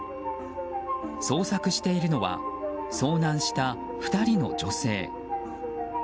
捜索しているのは遭難した２人の女性。